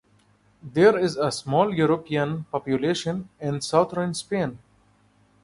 There is a small European population in southern Spain.